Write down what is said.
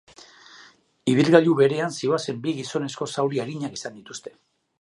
Ibilgailu berean zihoazen bi gizonezko zauri arinak izan dituzte.